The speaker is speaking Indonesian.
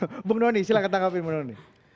oke bung noni silahkan tanggapin